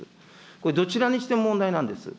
これ、どちらにしても問題なんです。